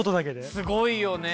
すごいよね。